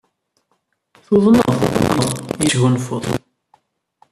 Tuḍneḍ. Yessefk ad tesgunfuḍ.